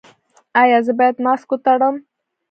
ایا زه باید ماسک وتړم؟